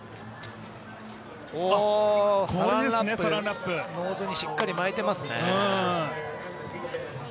サランラップ、ノーズにしっかり巻いてますね。